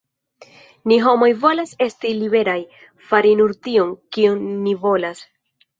Ni homoj volas esti liberaj: fari nur tion, kion ni volas.